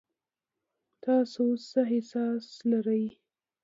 تاسو اوس څه احساس لرئ؟